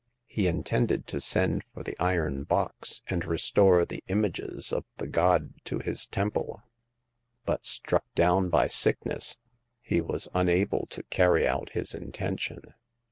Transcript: He intended to send for the iron box, and restore the images of the god to his temple ; but, struck down by sickness, he was unable to carry out his intention.